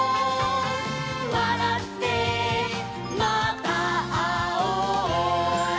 「わらってまたあおう」